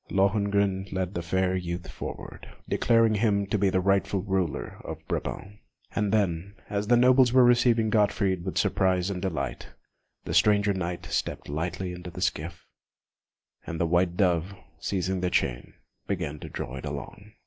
Lohengrin led the fair youth forward, declaring him to be the rightful ruler of Brabant; and then, as the nobles were receiving Gottfried with surprise and delight, the stranger Knight stepped lightly into the skiff, and the white Dove, seizing the chain, began to draw it along.